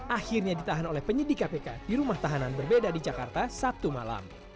akhirnya ditahan oleh penyidik kpk di rumah tahanan berbeda di jakarta sabtu malam